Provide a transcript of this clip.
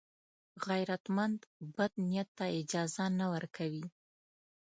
غیرتمند بد نیت ته اجازه نه ورکوي